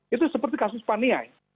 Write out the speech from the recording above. itu seperti kasus paniai